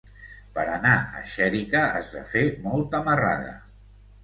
Per anar a Xèrica has de fer molta marrada.